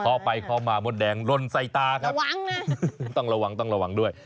เข้าไปเคาะมามดแดงลนใส่ตาครับระวังนะต้องระวังต้องระวังด้วย